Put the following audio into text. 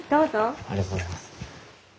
ありがとうございます。